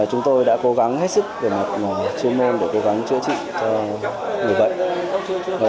chúng tôi đã cố gắng hết sức về mặt chuyên môn để cố gắng chữa trị cho người bệnh